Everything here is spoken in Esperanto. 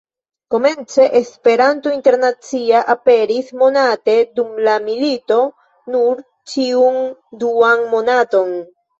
Komence "Esperanto Internacia" aperis monate, dum la milito nur ĉiun duan monaton.